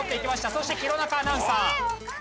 そして弘中アナウンサー。